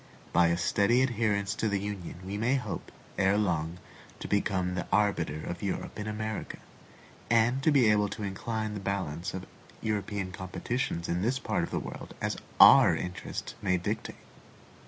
By a steady adherence to the Union we may hope, erelong, to become the arbiter of Europe in America, and to be able to incline the balance of European competitions in this part of the world as our interest may dictate.